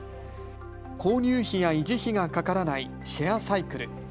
購入費や維持費がかからないシェアサイクル。